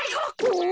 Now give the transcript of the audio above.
お！